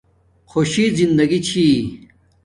خوشی زندگی چھی